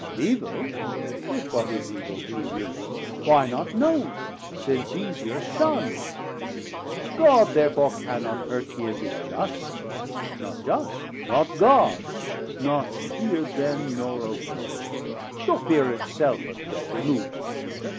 of evil, if what is evil Be real, why not known, since easier shunnd? God therefore cannot hurt ye, and be just; 700 Not just, not God; not feard then, nor obeid: Your feare it self of Death removes the feare.